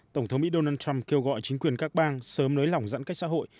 tổng thống mỹ donald trump kêu gọi chính quyền các bang sớm nới lỏng giãn cách xã hội